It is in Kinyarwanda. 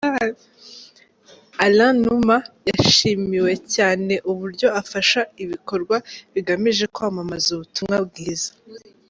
Alain Numa yashimiwe cyane uburyo afasha ibikorwa bigamije kwamamaza ubutumwa bwiza.